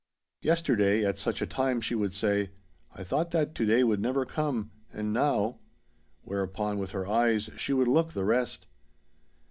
'Yesterday, at such a time,' she would say, 'I thought that to day would never come. And now—' Whereupon with her eyes she would look the rest.